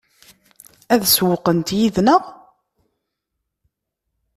Ad sewwqent yid-neɣ?